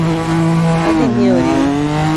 Adhi ng'iewo ring'o